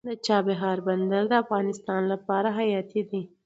د چابهار بندر د افغانستان لپاره حیاتي دی